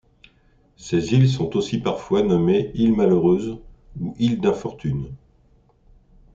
Ces îles sont aussi parfois nommées îles malheureuses ou îles d'infortune.